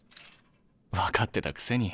分かってたくせに。